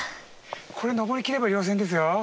これ登りきれば稜線ですよ。